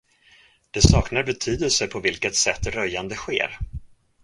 Det saknar betydelse på vilket sätt röjande sker.